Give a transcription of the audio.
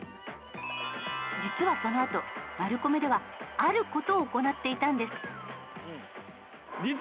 実はそのあとマルコメではある事を行っていたんです。